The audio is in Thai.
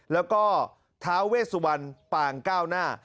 แล้วก็ท้าเวสวรรณปางก้าวหน้า